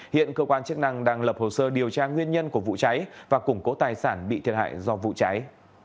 hiện cơ quan chức năng đang lập hồ sơ điều tra nguyên nhân của vụ cháy và củng cố tài sản bị thiệt hại do vụ cháy